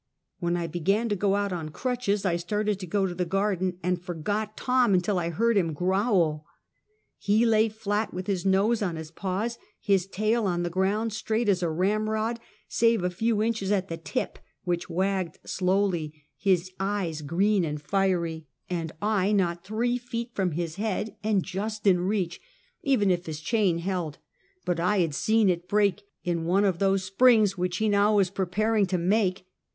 When I began to go out on crutches, I started to go to the garden, and forgot Tom until I heard him growl. He lay flat, with his nose on his paws, his tail on the ground straight as a ramrod, save a few inches at the tip, which wagged slowly, his eyes green and fiery, and I not three feet from his head, and just in reach, even if his chain held ; but I had seen it break in one of those springs which he was now preparing to make.